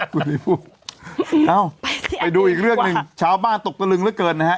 คุณเลยพูดไปดูอีกเรื่องหนึ่งชาวบ้านตกตระลึงแล้วเกินนะฮะ